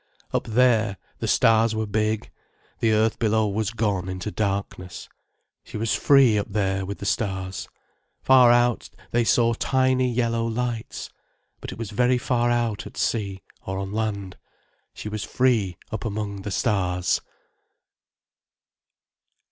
Up there, the stars were big, the earth below was gone into darkness. She was free up there with the stars. Far out they saw tiny yellow lights—but it was very far out, at sea, or on land. She was free up among the stars.